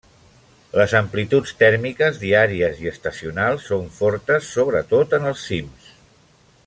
Les amplituds tèrmiques diàries i estacionals són fortes, sobretot en els cims.